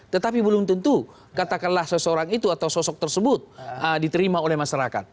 tetapi belum tentu katakanlah seseorang itu atau sosok tersebut diterima oleh masyarakat